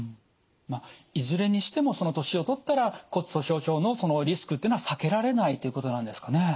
まあいずれにしても年をとったら骨粗しょう症のリスクっていうのは避けられないっていうことなんですかね。